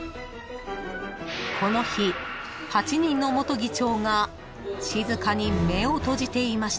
［この日８人の元議長が静かに目を閉じていました］